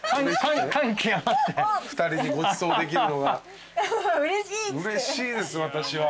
２人にごちそうできるのがうれしいです私は。